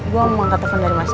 gue mau angkat telepon dari masa